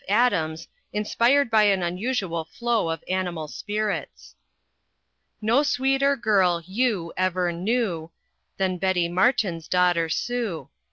Adams, inspired by an unusual flow of animal spirits: No sweeter girl ewe ever gnu Than Betty Martin's daughter Sue.